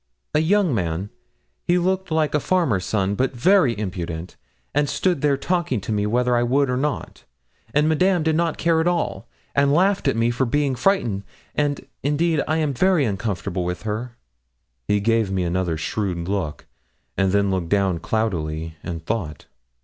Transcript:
'A young man; he looked like a farmer's son, but very impudent, and stood there talking to me whether I would or not; and Madame did not care at all, and laughed at me for being frightened; and, indeed, I am very uncomfortable with her.' He gave me another shrewd look, and then looked down cloudily and thought.